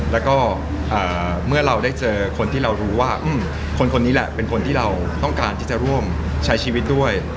แล้วก็เมื่อเราได้เจอคนที่เรารู้ว่าคนนี้แหละเป็นคนที่เราต้องการที่จะร่วมใช้ชีวิตด้วย